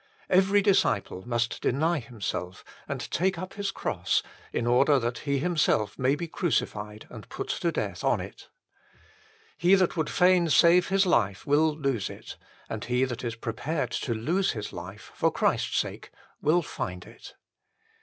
Every disciple must deny himself and take up his cross in order that he himself may be crucified and put to death on it. He that would fain save his life will lose it; and he that is prepared to lose his life for Christ s sake will find it.